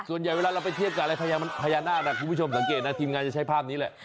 เวลาเราไปเทียบกับอะไรพญานาคคุณผู้ชมสังเกตนะทีมงานจะใช้ภาพนี้แหละ